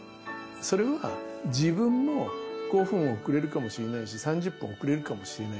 それは自分も５分遅れるかもしれないし３０分遅れるかもしれないからなんです。